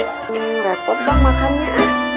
hmm repot bang makannya